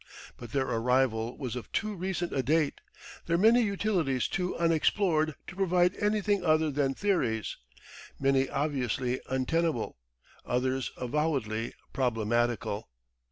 But their arrival was of too recent a date, their many utilities too unexplored to provide anything other than theories, many obviously untenable, others avowedly problematical.